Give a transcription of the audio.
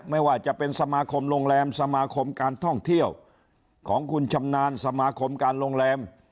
ไม่ว่าจะเป็นสมาคมโรงแรมสมาคมการท่องเที่ยวของคุณชำนาญสมาคมการโรงแรม